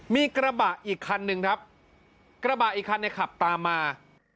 มีกระบะอีกคันหนึ่งครับกระบะอีกคันเนี่ยขับตามมา